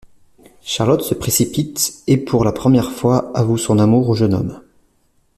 Charlotte se précipite et pour la première fois avoue son amour au jeune homme.